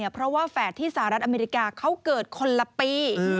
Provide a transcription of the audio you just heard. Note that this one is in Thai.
เพราะว่าแฝดที่สหรัฐอเมริกาเขาเกิดคนละปี